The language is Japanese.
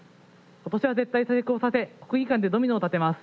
今年は絶対成功させ国技館でドミノを立てます。